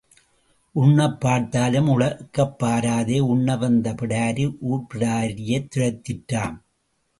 உண்ணப் பார்த்தாலும் உழைக்கப் பாராதே, உண்ண வந்த பிடாரி ஊர்ப் பிடாரியைத் துரத்திற்றாம்.